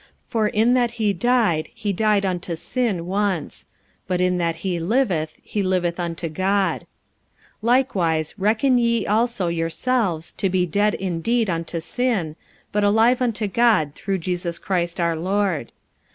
45:006:010 For in that he died, he died unto sin once: but in that he liveth, he liveth unto God. 45:006:011 Likewise reckon ye also yourselves to be dead indeed unto sin, but alive unto God through Jesus Christ our Lord.